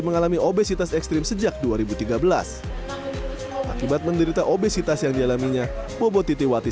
mengalami obesitas ekstrim sejak dua ribu tiga belas akibat menderita obesitas yang dialaminya bobot titiwati